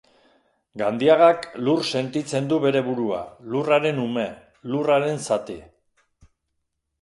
Gandiagak lur sentitzen du bere burua, lurraren ume, lurraren zati.